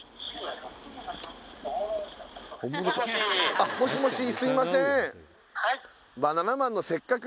あもしもしすいません